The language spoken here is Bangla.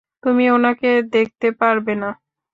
তুমি ওনাকে দেখতে পারবে না।